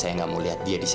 saya akan mengatakan ses"